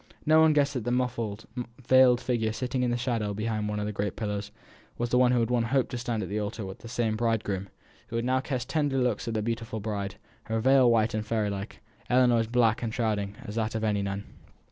No one guessed that the muffled, veiled figure, sitting in the shadow behind one of the great pillars, was that of one who had once hoped to stand at the altar with the same bridegroom, who now cast tender looks at the beautiful bride; her veil white and fairy like, Ellinor's black and shrouding as that of any nun.